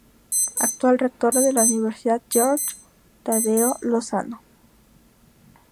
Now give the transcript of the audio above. Actual rectora de la Universidad Jorge Tadeo Lozano.